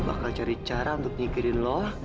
aku akan cari cara untuk nyikirin lo